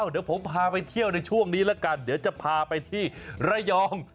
เดี๋ยวผมพาไปเที่ยวในช่วงนี้แล้วกันเดี๋ยวจะพาไปที่ระยอง